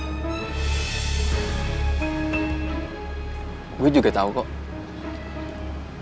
emang kak ravel tau apa aja